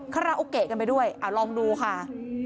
คาราโอเกะกันไปด้วยเอาลองดูค่ะ